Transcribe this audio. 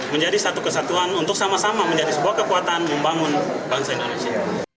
menjadi satu kesatuan untuk sama sama menjadi sebuah kekuatan membangun bangsa indonesia